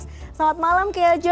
selamat malam keljo